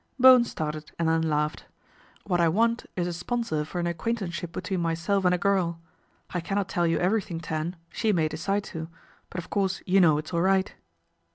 Bowen started and then laughed. " What I want is a sponsor for an acquaintance ship between myself and a girl. I cannot tell you everything, Tan, she may decide to ; but of course you know it's all right."